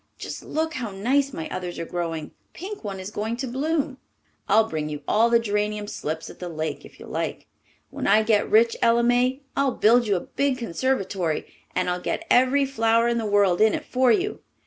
Just look how nice my others are growing. The pink one is going to bloom." "I'll bring you all the geranium slips at the Lake, if you like. When I get rich, Ella May, I'll build you a big conservatory, and I'll get every flower in the world in it for you.